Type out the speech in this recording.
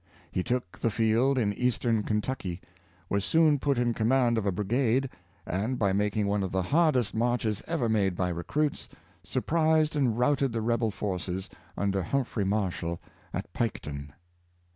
He took the field in Eastern Kentucky, was soon put in command of a brigade, and, by making one of the hardest marches ever made by recruits, surprised and routed the Rebel forces, under Humphrey Marshal, at Piketon.